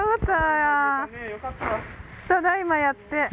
ただいまやって。